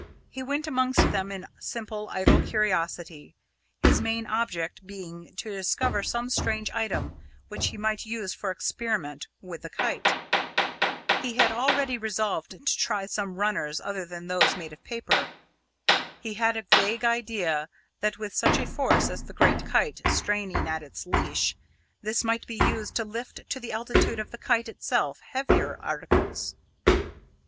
He went amongst them in simple, idle curiosity, his main object being to discover some strange item which he might use for experiment with the kite. He had already resolved to try some runners other than those made of paper. He had a vague idea that with such a force as the great kite straining at its leash, this might be used to lift to the altitude of the kite itself heavier articles.